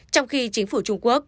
trong khi chính phủ trung quốc